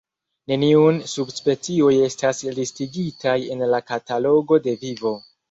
Neniuj subspecioj estas listigitaj en la Katalogo de Vivo.